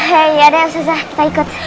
hei yaudah ustazah kita ikut